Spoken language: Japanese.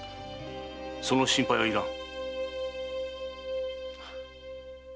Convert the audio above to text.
その心配は要らん。